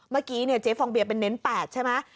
เมื่อกี้เจ๊ฟองเบียเป็นเน้น๘ใช่ไหม